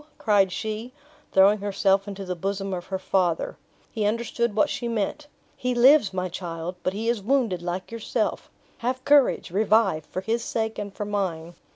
cried she, throwing herself into the bosom of her father. He understood what she meant. "He lives, my child! but he is wounded like yourself. Have courage; revive, for his sake and for mine!"